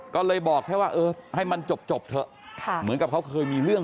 ก็เลยบอกแค่ว่าเออให้มันจบเถอะเหมือนกับเขาเคยมีเรื่อง